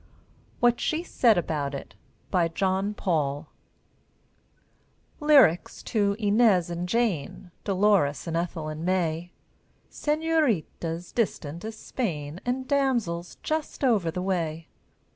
WHAT SHE SAID ABOUT IT BY JOHN PAUL Lyrics to Inez and Jane, Dolores and Ethel and May; Señoritas distant as Spain, And damsels just over the way!